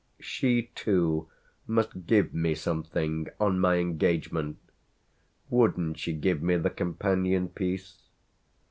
She too must give me something on my engagement wouldn't she give me the companion piece?